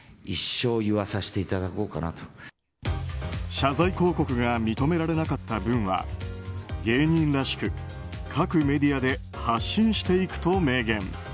謝罪広告が認められなかった分は芸人らしく、各メディアで発信していくと明言。